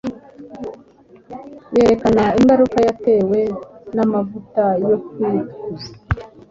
yerekana ingaruka yatewe n'amavuta yo kwitukuza,